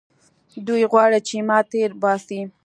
دوى غواړي چې ما تېر باسي.